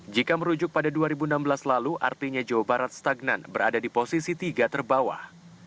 jika merujuk pada dua ribu enam belas lalu artinya jawa barat stagnan berada di posisi tiga terbawah